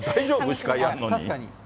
司会やるのに。